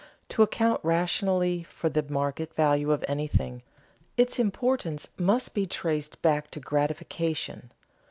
"_ To account rationally for the market value of anything, its importance must be traced back to "gratification."